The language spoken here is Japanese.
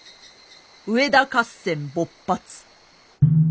上田合戦勃発。